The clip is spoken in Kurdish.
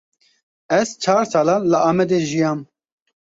Ez çar salan li Amedê jiyam.